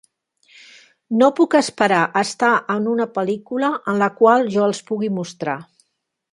No puc esperar a estar en una pel·lícula en la qual jo els pugui mostrar.